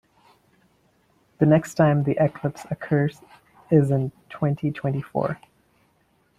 The next time the eclipse occurs is in twenty-twenty-four.